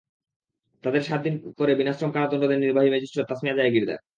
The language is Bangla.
তাঁদের সাত দিন করে বিনাশ্রম কারাদণ্ড দেন নির্বাহী ম্যাজিস্ট্রেট তাসমিয়া জায়গীরদার।